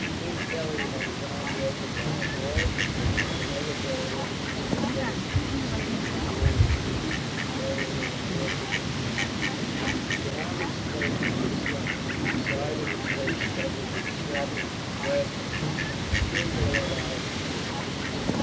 Tim Kelly had his arm broken by a ball, while another bullet cut a deep seam along his cheek, and carried away a portion of his ear. With his arm in splints and a sling, and the side of his face covered with strappings and plaster, he still went about his business.